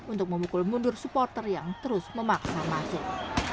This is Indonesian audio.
untuk memukul mundur supporter yang terus memaksa masuk